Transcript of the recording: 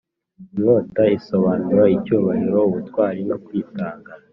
inkota, isobanura icyubahiro, ubutwari no kwitanga